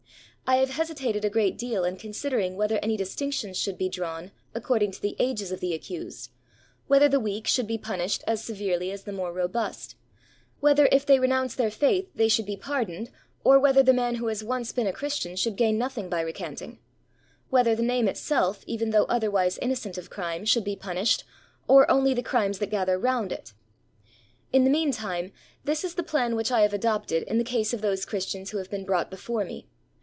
I have hesitated a great deal in considering whether any distinctions should be 454 HOW TO TREAT THE CHRISTIANS drawn according to the ages of the accused; whether the weak should be punished as severely as the more robust; whether if they renounce their faith they should be par doned, or whether the man who has once been a Chris tian should gain nothing by recanting; whether the name itself, even though otherwise innocent of crime, should be punished, or only the crimes that gather round it. In the mean time, this is the plan which I have adopted in the case of those Christians who have been brought before me.